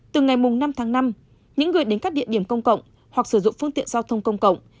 từ ngày năm tháng năm những người đến các địa điểm công cộng hoặc sử dụng phương tiện giao thông công cộng